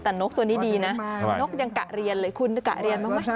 แต่นกตัวนี้ดีนะนกยังกะเรียนเลยคุณกะเรียนบ้างไหม